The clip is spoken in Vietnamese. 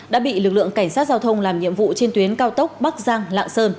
đã bị lực lượng cảnh sát giao thông làm nhiệm vụ trên tuyến cao tốc bắc giang lạng sơn